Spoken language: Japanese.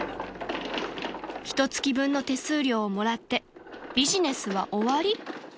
［ひとつき分の手数料をもらってビジネスは終わり？］